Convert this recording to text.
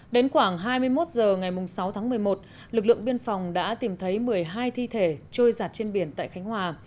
đến khoảng hai mươi một h ngày sáu tháng một mươi một lực lượng biên phòng đã tìm thấy một mươi hai thi thể trôi giặt trên biển tại khánh hòa